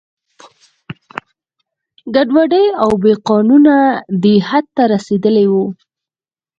ګډوډي او بې قانونه دې حد ته رسېدلي وو.